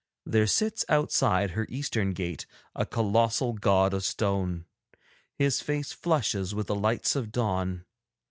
There sits outside her eastern gate a colossal god of stone. His face flushes with the lights of dawn.